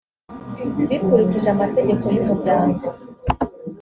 bikurikije amategeko y umuryango